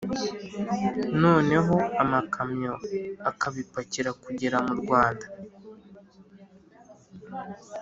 noneho amakamyo akabipakira kugera mu rwanda.